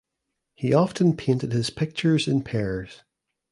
He often painted his pictures in pairs.